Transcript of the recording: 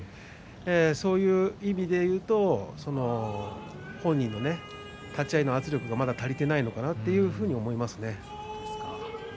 そういう意味でいうと本人の立ち合いの圧力がまだ足りないのかなというふうに思いますね。